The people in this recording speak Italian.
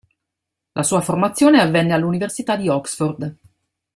La sua formazione avvenne all'Università di Oxford.